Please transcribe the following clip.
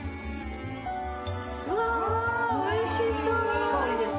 うわおいしそう。